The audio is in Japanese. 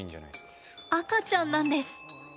赤ちゃんなんです。